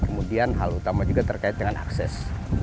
kemudian hal utama juga terkait dengan akses